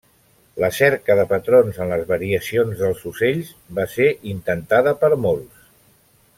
La cerca de patrons en les variacions dels ocells va ser intentada per molts.